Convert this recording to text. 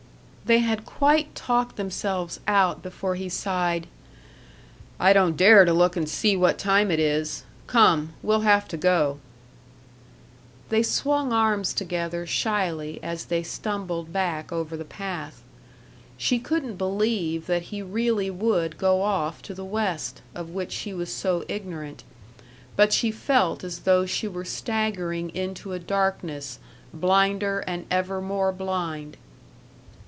They had quite talked themselves out before he sighed: "I don't dare to look and see what time it is. Come, we'll have to go." They swung arms together shyly as they stumbled back over the path. She couldn't believe that he really would go off to the West, of which she was so ignorant. But she felt as though she were staggering into a darkness blinder and ever more blind.